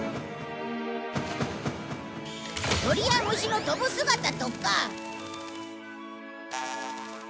鳥や虫の飛ぶ姿とか。